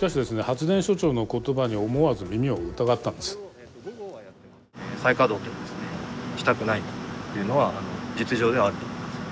発電所長の言葉に思わず耳を疑ったんです再稼働はしたくないっていうのは実情ではあると思います。